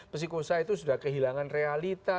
psikosa itu sudah kehilangan realita